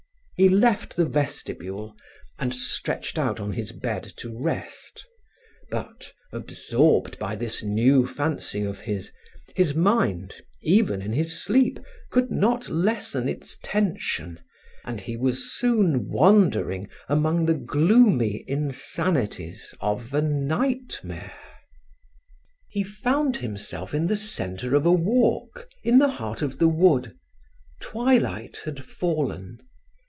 He left the vestibule and stretched out on his bed to rest, but, absorbed by this new fancy of his, his mind, even in his sleep, could not lessen its tension and he was soon wandering among the gloomy insanities of a nightmare. He found himself in the center of a walk, in the heart of the wood; twilight had fallen.